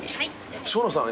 生野さん